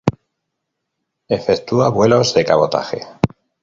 Efectúa vuelos de cabotaje.